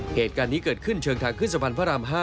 เหตุการณ์นี้เกิดขึ้นเชิงทางขึ้นสะพานพระราม๕